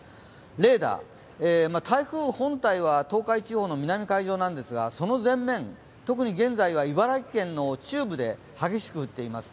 レーダー、台風本体は東海地方の南海上なんですがその前面、特に現在は茨城県の中部で今、激しく降っています。